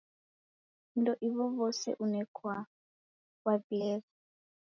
Vindo ivo vose unekwaa wavilegha.